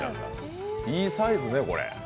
いいサイズね、これ。